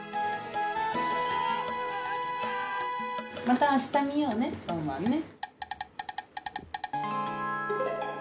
またあしたみようねワンワンね。